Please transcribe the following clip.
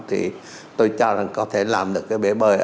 thì tôi cho rằng có thể làm được cái bể bơi